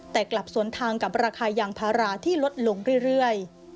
แต่กลับสวนทางกับราคายางพาราที่ลดลงเรื่อย